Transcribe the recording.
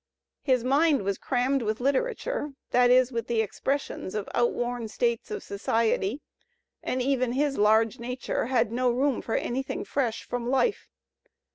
His mind was crammed with ^ literature, that is, with the expressions of outworn states I of society, and even his large nature had no room for any thing fresh from life.